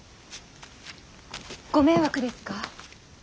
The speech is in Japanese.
ご迷惑ですか。